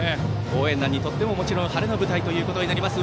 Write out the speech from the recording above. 応援団にとってももちろん晴れの舞台となります。